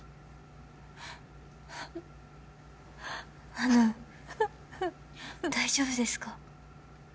あの大丈夫ですか？